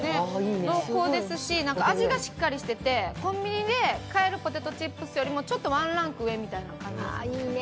濃厚ですし味がしっかりしててコンビニで買えるポテトチップスよりもちょっとワンランク上みたいな感じです。